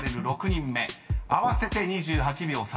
６人目合わせて２８秒３１。